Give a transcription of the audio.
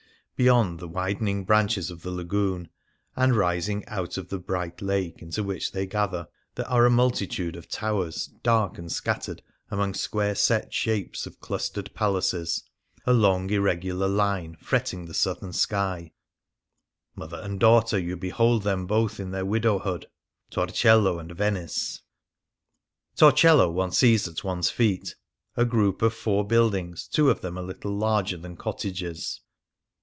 ... Beyond the widening branches of the Liigoon, and rising out of the bright lake into which they gather, there are a multitude of towers, dark, and scattered among square set shapes of clustered palaces, a long irregular line fretting the 96 The Lagoon southern sky. Mother and daughter, you be hold them both in their widowhood — Torcello and Venice." Torcello one sees at one's feet, " a group of four buildings, two of them little larger than cottages."